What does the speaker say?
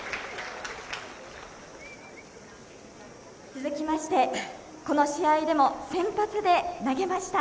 続きまして、この試合でも先発で投げました。